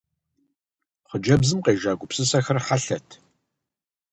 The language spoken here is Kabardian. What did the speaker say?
Хъыджэбзым къежа гупсысэхэр хьэлъэт.